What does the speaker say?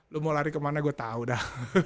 lo mau lari kemana gue tau dah